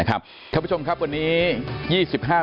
อังกฤษเองก็ตอนนี้ก็หนักอยู่นะครับท่าผิดนะครับทำไมครับวันนี้๒๕